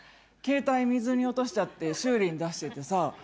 「携帯水に落としちゃって修理に出しててさ